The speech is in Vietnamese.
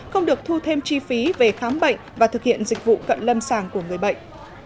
không được thu thêm chi phí về khám bệnh và thực hiện dịch vụ cận lâm sàng của người bệnh